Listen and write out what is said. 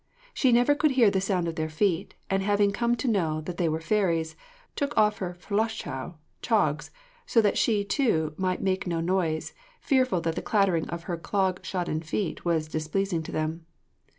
She never could hear the sound of their feet, and having come to know that they were fairies, took off her ffollachau (clogs), so that she, too, might make no noise, fearful that the clattering of her clog shodden feet was displeasing to them.